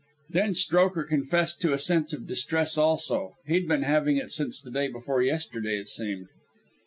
Then Strokher confessed to a sense of distress also. He'd been having it since day before yesterday, it seemed.